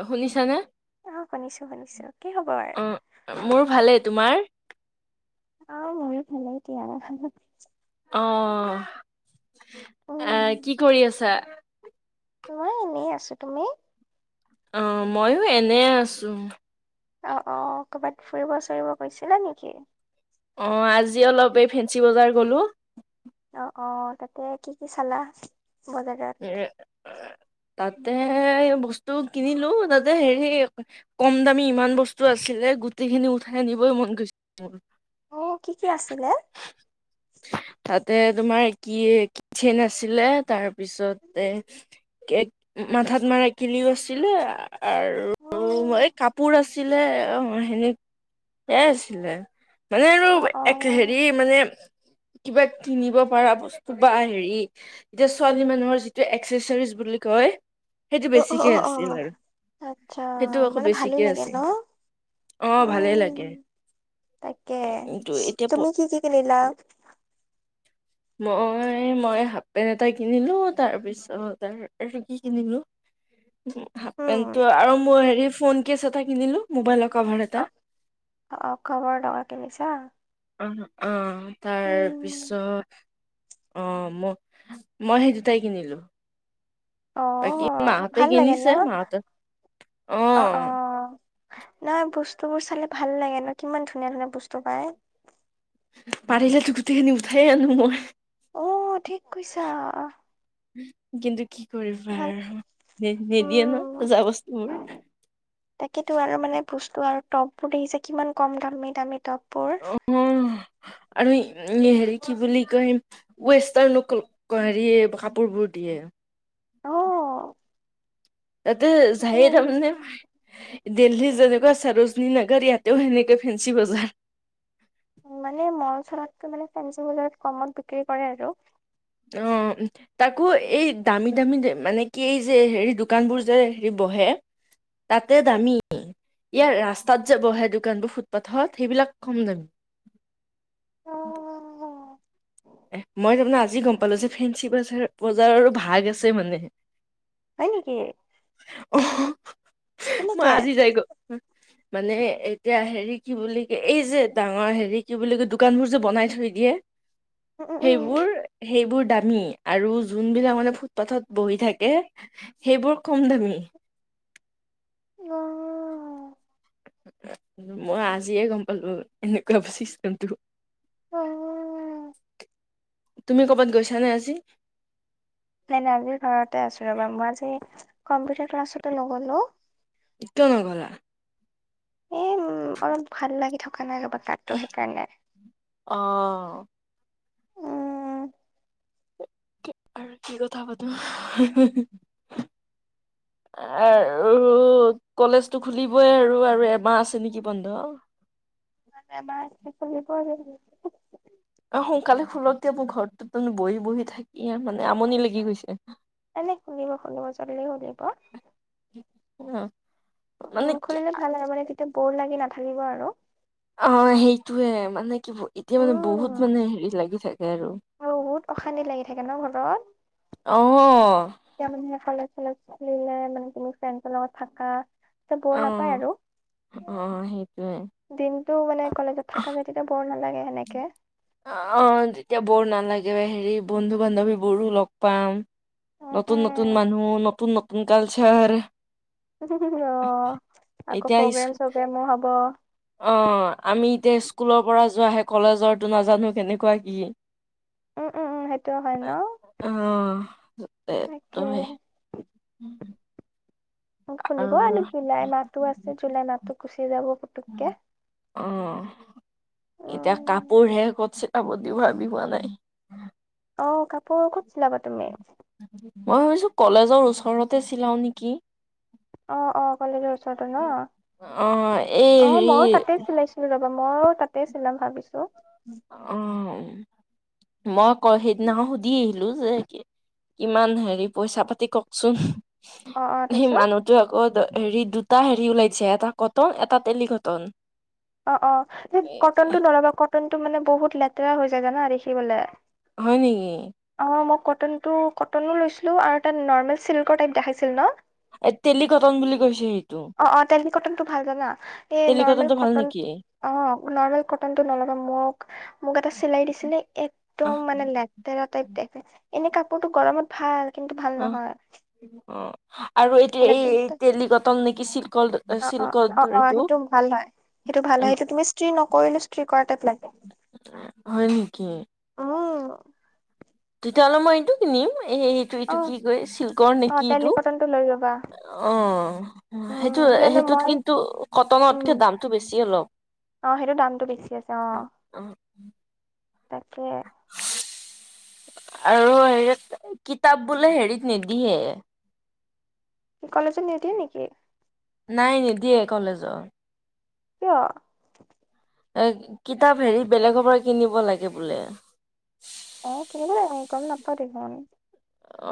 অ' শুনিছানে? আহ শুনিছো শুনিছো, কি খবৰ? অ' মোৰ ভালেই, তোমাৰ? অ' মোৰো ভালেই দিয়া। অ', এ উম কি কৰি আছা? মই এনেই আছো, তুমি? অ' মইো এনে আছো। অ', অ', কৰ'ৰবাত ফুৰিব চুৰিব গৈছিলা নেকি? অ', আজি অলপ এই ফেঞ্চি বজাৰ গলো। অ', অ', তাতে কি কি চালা এ বজাৰত? তাতে বস্তু কিনিলো, তাতে হেৰি কম দামী ইমান বস্তু আছিলে গুটি খিনি উঠাই আনিবই মন গৈছে মোৰ। অ', কি কি আছিলে? তাতে তোমাৰ কি কি চেন আছিলে তাৰপিছতে মাথাত মৰা কিলিপ আছিলে। অ আৰু ম এই কাপোৰ আছিলে। অ', সেনে সয়াই আছিলে মানে আৰু অ অ এক হেৰি মানে কিবা কিনিব পাৰা বস্তু বা হেৰি এতিয়া ছোৱালী মানুহৰ যিটো এক্সেচাৰজ বুলি কয় সেইটো অ অ অ বেছিকে অ আছিল আৰু, আচ্ছা সেইটো আকৌ মানে ভালো বেছিকে লাগে আছিল। ন? অ', ভালেই লাগে। উম তাকে, কিন্তু এতিয়া প তুমি কি কি কিনিলা? মই, মই হাফ পেণ্ট এটা কিনিলো, তাৰপিছত কি কিনিলো? হাফ উম পেন্টো আৰু ম হেৰি ফোন কেচ এটা কিনিলো মোবাইলত অ', অ', খবৰ ডঙা কিনিছা। অ', অ', তাৰ উম পিছত অ', ম মই সেই দুটাই কিনিলো। বাকী অ', মাহঁতে ভাল লাগে ন? কিনিছে মাহঁতে অ', অ'। নহয় বস্তুবোৰ চালে ভাল লাগে ন কিমান ধুনীয়া ধুনীয়া বস্তু পায়। পাৰিলেতো গোটেই খিনি উঠাইে আনো মই। অহ ঠিক কৈছা। কিন্তু কি কৰিবা ভাল আৰু নিদিয়ে ন উম। সোজা বস্তুবোৰ। তাকেতো আৰু মানে বস্তু আৰু টপবোৰ দেখিছে কিমান কম দামেই দামি টপ। অ'। আৰু হেৰি কি বুলি কয় ৱেষ্টাৰ্ণ হেৰি কাপোৰবোৰ দিয়ে। অহ। ততে যাই তামনেম দিল্লী যেনেকুৱা ছাৰজনী নগৰ ইয়াতেও সেনেকৈ ফেঞ্চি বজাৰ। মানে মন চলাতটো মানে ফেঞ্চিং বজাৰত কমত বিক্ৰী কৰে আৰু। অ', তাকো এই দামী দামী মানে কি এই যে হেৰি দোকানবোৰ যে হেৰি বহে তাতে দামী। ইয়াৰ ৰাস্তাত যে বহে দোকানবোৰ ফুটপাথত সেইবিলাক কম নামি। এ মই তাৰমানে আজি গম পালো যে ফেঞ্চি বজাৰ বজাৰৰো ভাগ আছে মানে। হয় নেকি? অ', মই কেনেকে আজি যাই গ, মানে এতিয়া হেৰি কি বুলি ক এই যে ডাঙৰ হেৰি কি বুলি ক দোকানবোৰ যে বনাই থৈ দিয়ে। উম উম সেইবোৰ সেইবোৰ দামী আৰু যোনবিলাক মানে ফুটপাথত বহি থাকে সেইবোৰ কম দামী। অ'। মই আজিয়ে গম পালো এনেকুৱা চিচটেম টো। অ'। তুমি কৰ'বাত গৈছানে আজি? নাই নাই আজি ঘৰতে আছো ৰ'বা, মই আজি কম্পিউটাৰ ক্লাছতো নগলো। ইটো নগলা। এ উম অলপ ভাল লাগি থকা নাই ৰ'বা পেট টো সেইকাৰণে। অ'। উম আৰু কি কথা পাতো? আৰু কলেজটো খুলিবই আৰু আৰু এমাহ আছে নেকি বন্ধ। এমাহ আছে খুলিব আৰু। অ' সোনকালে খুলক দে মোৰ ঘৰতটো মানে বহি বহি থাকি আৰু মানে আমনি লাগি গৈছে। এনে খুলিব খুলিব জলদি খুলিব। অ'। মানে অ' কি খুলিলে ভাল হয় মানে তেতিয়া বৰ লাগি নাথাকিব আৰু। অ' সেইটোয়ে মানে কি এতিয়া মানে বহুত উম মানে হেৰি লাগি থাকে। লাগে আৰু, বহুত অশান্তি লাগি থাকে ন ঘৰত অ'। এতিয়া মানে কলেজ চলেজ খুলিলে মানে তুমি ফ্ৰেণ্ডৰ লগত থাকা অ বৰ নাপায় আৰু অ সেইটোয়ে দিন মানে কলেজত থকা যায় তেতিয়া বৰ নালাগে। সেনেকে অ' তেতিয়া বৰ নালাগে। হেৰি বন্ধু বান্ধৱী বোৰো লগ পাম উম নতুন নতুন উম মানুহ নতুন নতুন আ কালচাৰ অ' আকৌ এতিয়া স্কু প্ৰগ্ৰাম চগ্ৰামো হ'ব। অ' আমি এতিয়া স্কুলৰ পৰা যোৱাহে, কলেজৰটো নাজানো কেনেকুৱা কি? উম, উম, উম সেইটো হয় ন অ তাকেই। উম। খুলিব আৰু জুলাই মাহটো আছে আৰু জুলাই মাহতটো গুচি যাব পুতুককে অ' এতিয়া উম কাপোৰ হে ক'ত চিলাব দিও ভাবি পোৱা নাই। অ' কাপোৰ ক'ত চিলাবা তুমি? মই ভাবিছো কলেজৰ ওচৰতে চিলাও নেকি? অ' অ' কলেজৰ ওচৰতে অ এই ন' অ' হেৰি মইও তাতে চিলাইছিলো ৰ মইও তাতেই চিলাম ভাবিছো। অ' মই আক সেইদিনা সুধি আহিলো যে কিমান হেৰি পইচা পাতি কওঁক চোন অ অ সেই তাৰপিছত মানুহটো আকৌ হেৰি দুটা হেৰি ওলাইছে এটা কটন এটা টেলিকটন। অ' অ' কটনটো নলবা কটনটো মানে বহুত লেতেৰা হৈ যায় জানা দেখিবলে। হয় নেকি? কিন্তু কটনো লৈছিলোঁ আৰু তাত নৰ্মেল চিল্কৰ টাইপ দেখাইছিল ন। এই টেলিকটন বুলি কৈছে সেইটো। অ অ তেলী কটনটো ভাল জানা এই নৰ্মেল টেলিকটনটো ভাল কটন নেকি? কি? অ' নৰ্মেল কটনতটো নল'বা। মোক মোক এটা চিলাই দিছিলে আহ একদম মানে লেতেৰা এনে কাপোৰটো গৰমত ভাল, কিন্তু ভাল আহ নহয়। অ আৰু এটোয়া এই লেতেৰা টেলিকটন নেকি ছিল্ক অ' অ' অ' অ' সেইটো ভাল হয়। সেইটো ভাল হয় সেইটো তুমি স্ত্ৰি নকৰিলেও স্ত্ৰি কৰাটাইপ লাগে। হয় নেকি [inaudible] অ'। তেতিয়াহ'লে মই এইটো কিনিম। এই এইটো- অ এইটো কি কয় চিল্কৰ অ নেকি তেলী এইটো কটনটো লৈ ল'বা অ' সেইটো উম কিয়নো সেইটোত মই কিন্তু উম কটনতকে দামটো বেছি অলপ। অ' সেইটো দামটো বেছি আছে অ', তাকে। আৰু হেৰি কিতাপ বোলে হেৰিত নিদিয়ে। কি কলেজে নিদিয়ে নেকি। নাই নিদিয়ে কলেজত। কিয়। এ কিতাপ হেৰি বেলেগৰ পৰা কিনিব লাগে বোলে। হে কিনিব লাগে নেকি, গম নাপাওঁ তেতিয়াহ'লে।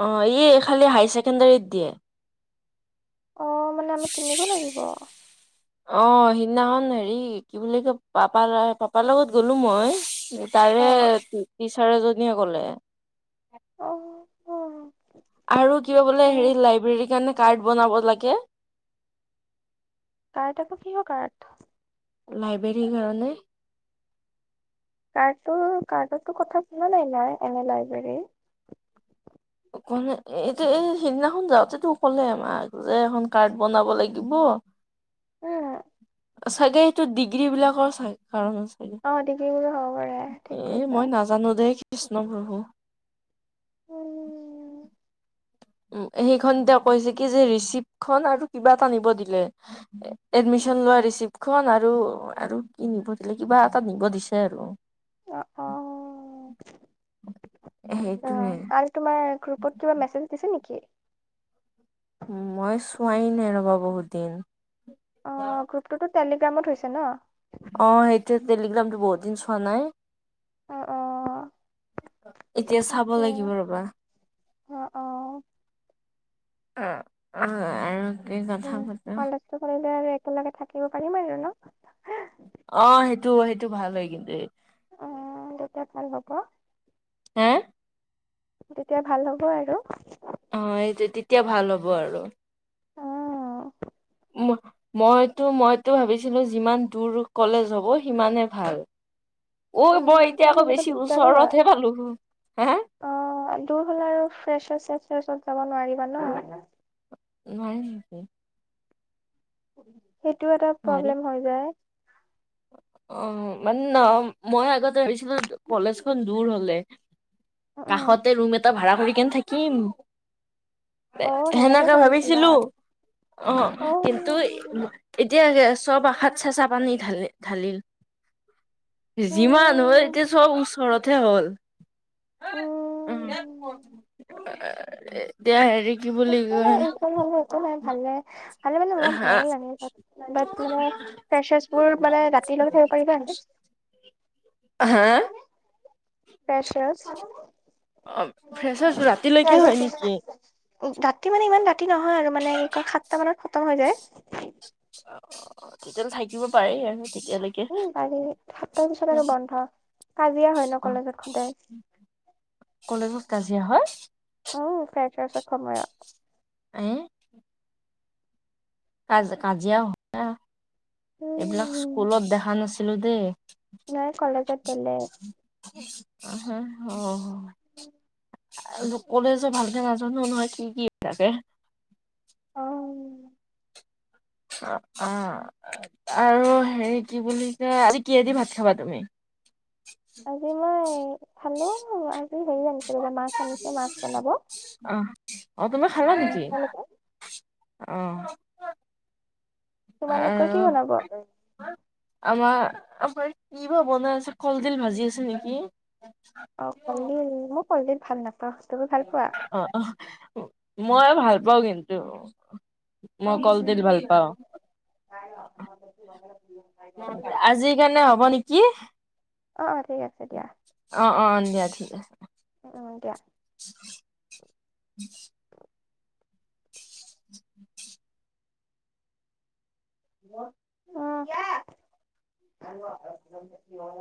অ' ইয়ে খালি হায়াৰ ছেকেণ্ডাৰীত দিয়ে। অ' মানে আমি কিনিব লাগিব। অ' সিদিনাখন হেৰি কি বুলি কয় পাপা লগ পাপাৰ লগত গ'লো মই। তাৰে টিচাৰ এজনীয়ে ক'লে। অ'। আৰু কিবা বোলে হেৰি লাইব্ৰেৰী কাৰণে কাৰ্ড বনাব লাগে। কাৰ্ড আকৌ কিহৰ কাৰ্ত। লাইব্ৰেৰীৰ কাৰণে। কাৰ্ডটো কাৰ্ডৰতো কথা শুনা নাই- নাই এনে লাইব্ৰেৰীৰ। ক এইটো এই সিদিনাখন যাওঁতে তো ক'লে মাক যে এখন কাৰ্ড বনাব লাগিব। উম চাগে এইটো ডিগ্ৰী বিলাকৰ চাগ কাৰনে ছাগে, অ ডিগ্ৰীবোৰো হ'ব পাৰে এ ঠিক কৈছা মই নাজানো দেই কৃষ্ণ প্ৰভু। উম উম্, সেইখন তেওঁ কৈছে কি যে ৰিচিপ আৰু কিবা এটা নিব দিলে, এডমিছ ছন লোৱা ৰিচিপ্ট খন আৰু কি নিব দিলে কিবা এটা নিব দিছে আৰু। অ' অ'- সেইটোৱে অ' আৰু তোমাৰ গ্ৰুপত কিবা মেছেজ দিছে নেকি। মই চোৱাই নাই ৰ'বা বহুত দিন। অ' গ্ৰুপটোতো টেলিগ্ৰামত হৈছে ন। অ সেইটোৱে টেলিগ্ৰামটো বহুত দিন চোৱা নাই। অ অ এতিয়া চাব তাকে লাগিব ৰ'বা। অ অ অ'-অ' [unintelligible] উম, [unintelligible] কৰিলে আৰু একেলগে থাকিব পাৰিম আৰু ন। অ' সেইটো- সেইটো ভাল হয় কিন্তু। উম, তেতিয়া ভাল হ'ব। হে। তেতিয়া ভাল হ'ব আৰু। অ' এইটো তেতিয়া ভাল হ'ব আৰু। অ'। মইতো- মইতো ভাবিছিলো যিমান দূৰ কলেজ হ'ব সিমানে ভাল। ঐ মই এতিয়া কিন্তু আকৌ এনেকুৱা বেছি দিগদাৰো হয় ওচৰতহে পালো। হা অ' দূৰ হ'লে আৰু ফ্ৰেচাৰ্চ চেচাৰচত যাব নোৱাৰিবা ন। নোৱাৰি নেকি। সেইটো এটা নোৱাৰি প্ৰব্লেম হৈ যায়। অ' মানে ন মই আগতে ভাবিছিলো কলেজখন দূৰ হ'লে উম কাষতে ৰুম এটা ভাড়া কৰি কেনে থাকিম। এ অ সেনেকে ভাবিছিলা ভাবিছিলো অ' কিন্তু এতিয়াকে চব আশাত চেঁচা পানী ঢালি-ঢালিল৷ যিমান হয় এতিয়া চব ওচৰত তে হ'ল, উম, এ- এ- এতিয়া হেৰি কি বুলি একো নাই, কয় একো নহয়, একো নাই ভালে৷ আজিকালি অলপ হা বেয়াও লাগে। তাত মানে ফ্ৰেছাৰ্ছবোৰ মানে ৰাতিলৈকে থাকিব পাৰে যে এনেকে। [inaudible] হা? ফ্ৰেছাৰ্ছ। অ' ফ্ৰেছাৰ্ছ ৰাতিলৈকে হয় নেকি? উ-ৰাতি মানে ইমান ৰাতি নহয় আৰু, মানে কি কয় সাতটা মানত খতম হৈ যায়৷ অ' তেতিয়াহ'লে থাকিব পাৰি আৰু। তেতিয়ালৈকে উম পাৰি, সাতটাৰ পিছত আৰু বন্ধ৷ কাজিয়া হয় ন, কলেজত সদায়৷ কলেজত কাজিয়া হয়? অঁ, [unintelligible] আয়ে। কাজ কাজিয়াও হয়, এইবিলাক স্কুলত দেখা নাছিলো দেই৷ ইয়াৰ কলেজত বেলেগ। আহহ [unintelligible] আৰু কলেজত ভালকে নাজানো নহয় কি কি থাকে? অ'। অ' অ' আৰু হেৰি কি বুলি কয়, আজি কি'হেদি ভাত খাবা তুমি? [inaudible] আজি মই খালো। হেৰি আনিছিলে মাছ আনিছে, মাছ বনাব৷ আহ, তুমি খালা উম নেকি? তোমালোকে আহ! তোমালোকৰ কি বনাব? আমাৰ আমাৰ কি বা বনাই আছে, কলদিল ভাজি আছে নেকি! অ কলদিল, মই কলদিল ভাল নাপাওঁ৷ তুমি ভাল পোৱা? অ অ মই ভাল পাওঁ কিন্তু, মই কলদিল ভাল পাওঁ৷ আজিৰ কাৰণে হ'ব নেকি [unintelligible] অ-অ ঠিক আছে দিয়া৷ অ অ দিয়া ঠিক উ-উ দিয়া৷ [inaudible] [inaudible] অ [unintelligible]